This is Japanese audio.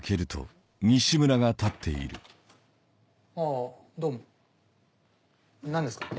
あどうも何ですか？